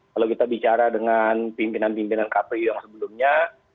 kalau kita bicara dengan pimpinan pimpinan kpu yang sebelumnya